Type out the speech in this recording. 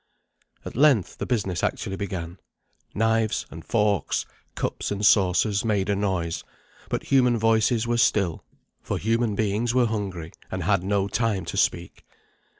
At length the business actually began. Knives and forks, cups and saucers made a noise, but human voices were still, for human beings were hungry, and had no time to speak.